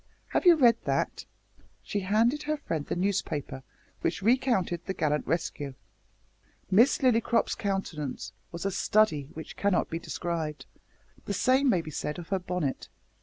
Have you read that?" She handed her friend the newspaper which recounted the "gallant rescue." Miss Lillycrop's countenance was a study which cannot be described. The same may be said of her bonnet.